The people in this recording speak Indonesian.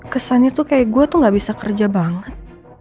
kesannya tuh kayak gue tuh gak bisa kerja banget